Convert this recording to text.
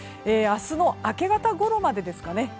明日の明け方ごろまでですかね